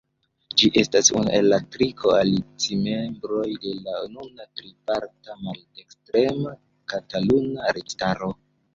Ĝi estas unu el la tri koalicimembroj de la nuna triparta maldekstrema kataluna registaro.